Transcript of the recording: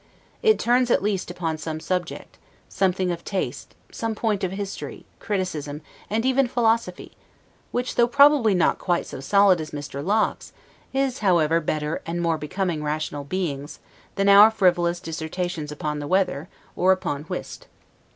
It turns at least upon some subject, something of taste, some point of history, criticism, and even philosophy; which, though probably not quite so solid as Mr. Locke's, is, however, better, and more becoming rational beings, than our frivolous dissertations upon the weather, or upon whist.